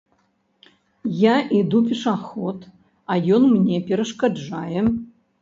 Я іду пешаход, а ён мне перашкаджае.